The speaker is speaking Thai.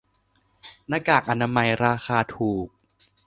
หน้ากากอนามัยราคาถูก